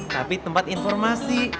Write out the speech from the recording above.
tapi tempat informasi